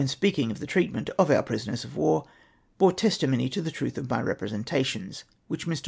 199 speaking of the treatment of our prisoners of war, jjore testimony to the truth of my representations, whicJi IVir.